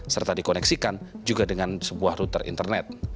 serta dikoneksikan juga dengan sebuah router internet